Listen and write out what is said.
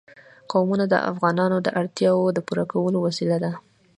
قومونه د افغانانو د اړتیاوو د پوره کولو وسیله ده.